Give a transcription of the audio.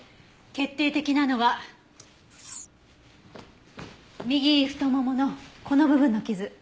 決定的なのは右太もものこの部分の傷。